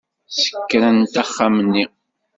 Ssekrant axxam-nni.